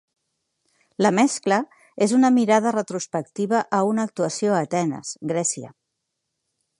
La mescla és una mirada retrospectiva a una actuació a Atenes, Grècia.